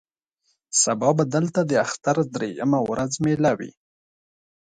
سبا به دلته د اختر درېیمه ورځ مېله وي.